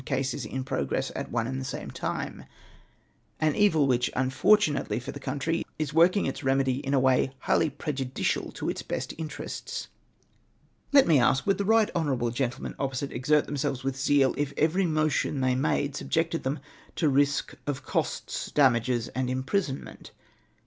1800 to 2000 causes iu progress at one and the same time ; an evil which, unfortunately for the country, is working its remedy in a way higlily prejudicial to its best interests. Let me ask, would tlie right honourable gentlemen opposite exert themselves with zeal, if every motion they made subjected them to risk of costs, dam iges, and imprisonment?